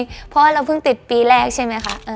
เพราะว่าเราเพิ่งติดปีแรกใช่ไหมคะ